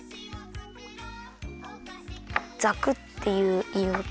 ざくっていういいおと。